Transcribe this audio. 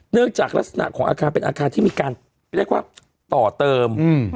จากลักษณะของอาคารเป็นอาคารที่มีการเรียกว่าต่อเติม